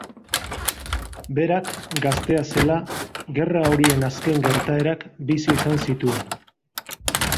Berak, gaztea zela, gerra horien azken gertaerak bizi izan zituen.